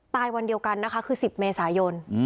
วันเดียวกันนะคะคือ๑๐เมษายน